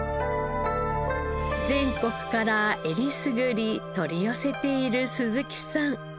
全国からえりすぐり取り寄せている鈴木さん。